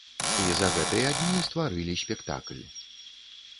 І за гэтыя дні стварылі спектакль.